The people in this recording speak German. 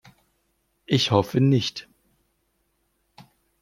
Ich hoffe nicht.